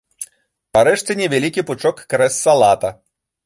Парэжце невялікі пучок крэс-салата.